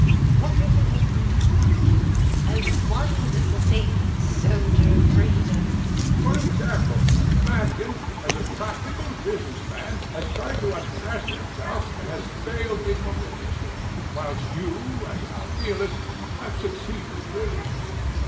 What has it all been about? MRS HUSHABYE. Oh, wonderful things, soldier of freedom. HECTOR. For example, Mangan, as a practical business man, has tried to undress himself and has failed ignominiously; whilst you, as an idealist, have succeeded brilliantly.